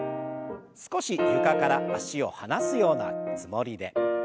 少し床から脚を離すようなつもりで。